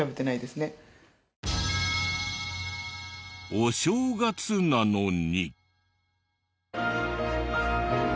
お正月なのに。